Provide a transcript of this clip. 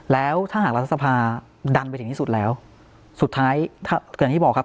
แล้วถ้าหากรัฐสภาดันไปถึงที่สุดแล้วสุดท้ายถ้าเกิดอย่างที่บอกครับ